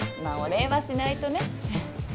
まあお礼はしないとねははっ。